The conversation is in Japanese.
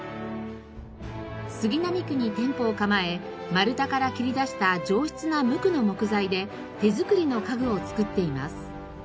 杉並区に店舗を構え丸太から切り出した上質な無垢の木材で手作りの家具を作っています。